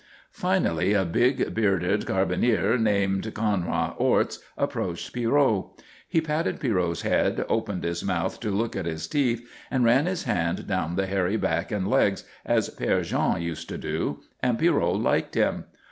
Finally a big, bearded carbineer named Conrad Orts approached Pierrot. He patted Pierrot's head, opened his mouth to look at his teeth, and ran his hand down the hairy back and legs, as Père Jean used to do, and Pierrot liked him.